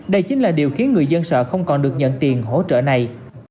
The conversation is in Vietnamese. đây chính là điều khiến người dân sợ không còn được nhận tiền hỗ trợ này